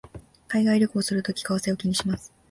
海外旅行をするとき為替を気にします